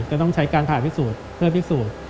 จะต้องใช้การผ่าพิสูจน์เพื่อพิสูจน์